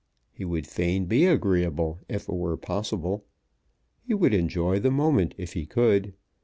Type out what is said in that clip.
He would fain be agreeable if it were possible. He would enjoy the moment if he could.